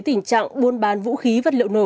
tình trạng buôn bán vũ khí vật liệu nổ